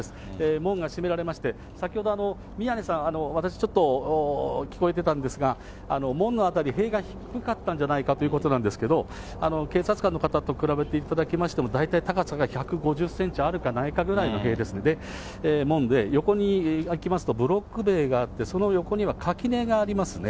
門が閉められまして、先ほど宮根さん、私、ちょっと聞こえてたんですが、門の辺り、塀が低かったんじゃないかということなんですけど、警察官の方と比べていただきましても、大体高さが１５０センチあるかないかぐらいの塀ですので、門で、横に行きますとブロック塀があって、その横には、垣根がありますね。